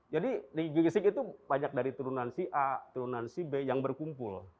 jadi di gegesik itu banyak dari turunan si a turunan si b yang berkumpul